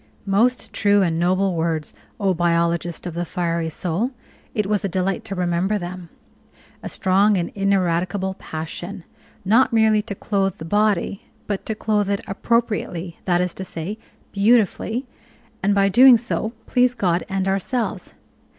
Most true and noble words, O biologist of the fiery soul! It was a delight to remember them. A "strong and ineradicable passion," not merely to clothe the body, but to clothe it appropriately, that is to say, beautifully, and by so doing please God and ourselves.